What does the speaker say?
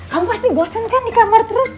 kamu pasti bosen kan di kamar terus